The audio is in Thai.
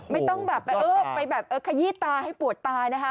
ไม่จ้ะไม่ต้องแบบเออขยี้ตาให้ปวดตานะฮะ